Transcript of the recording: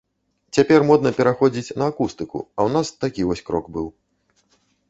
Цяпер модна пераходзіць на акустыку, а ў нас такі вось крок быў.